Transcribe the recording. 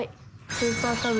スーパーカブ？